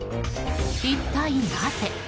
一体なぜ？